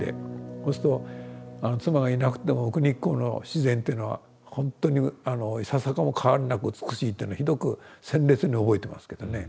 そうすると妻がいなくても奥日光の自然っていうのはほんとにいささかも変わりなく美しいっていうのをひどく鮮烈に覚えてますけどね。